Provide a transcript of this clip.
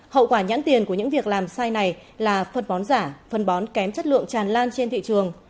hậu quả nhãn tiền của những việc làm sai này là phân bón giả phân bón kém chất lượng tràn lan trên thị trường